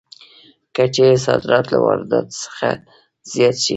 که چېرې صادرات له وارداتو څخه زیات شي